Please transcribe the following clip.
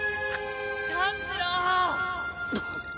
・炭治郎。